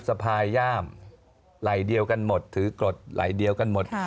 สภาย่ามไหล่เดียวกันหมดถือกรดไหล่เดียวกันหมด